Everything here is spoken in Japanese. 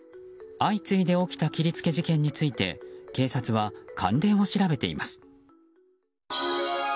相次いで起きた切り付け事件について警察は関連を調べています。